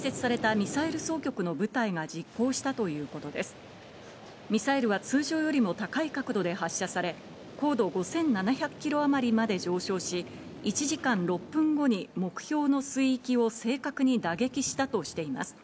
ミサイルは通常よりも高い角度で発射され、高度５７００キロ余りまで上昇し、１時間６分後に目標の水域を正確に打撃したとしています。